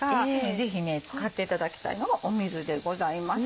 ぜひ使っていただきたいのが水でございます。